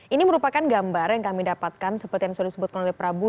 ini merupakan gambar yang kami dapatkan seperti yang sudah disebutkan oleh prabu